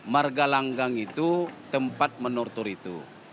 margalanggang itu tempat menortor itu